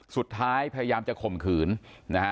สุดท้ายพยายามจะข่มขืนนะฮะ